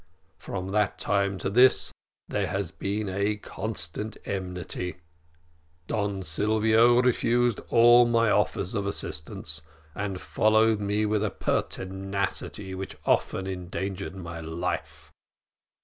From that time to this there has been a constant enmity. Don Silvio refused all my offers of assistance, and followed me with a pertinacity which often endangered my life.